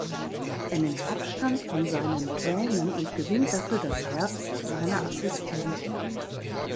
Er nimmt Abstand von seinen Plänen und gewinnt dafür das Herz seiner Assistentin.